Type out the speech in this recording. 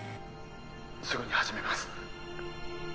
すぐに始めます